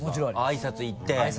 あいさつ行って。